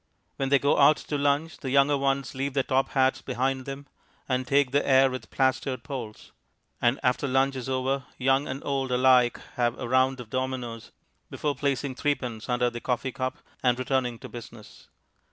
When they go out to lunch, the younger ones leave their top hats behind them, and take the air with plastered polls; and after lunch is over, young and old alike have a round of dominoes before placing threepence under the coffee cup and returning to business.